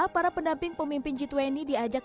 para pendamping pemimpin g dua puluh diajak ke nusa dua bali